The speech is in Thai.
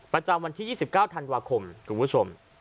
ประจำวันที่๒๙ธันวาคมคุณผู้ชม